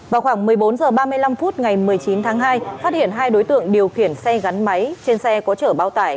vào khoảng một mươi bốn h ba mươi năm phút ngày một mươi chín tháng hai phát hiện hai đối tượng điều khiển xe gắn máy trên xe có chở bao tải